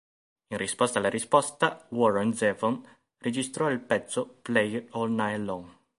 In risposta alla risposta, Warren Zevon registrò il pezzo "Play It All Night Long".